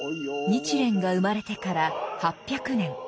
日蓮が生まれてから８００年。